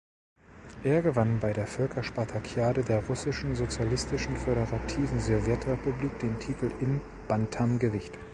Er gewann bei der Völker-Spartakiade der Russischen Sozialistischen Föderativen Sowjetrepublik den Titel im Bantamgewicht.